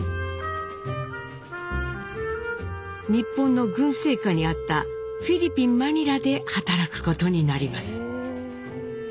日本の軍政下にあったフィリピンマニラで働くことになります。